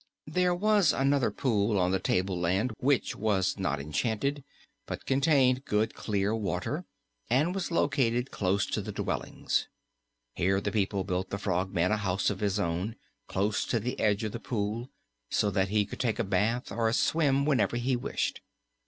There was another pool on the tableland which was not enchanted but contained good, clear water and was located close to the dwellings. Here the people built the Frogman a house of his own, close to the edge of the pool so that he could take a bath or a swim whenever he wished.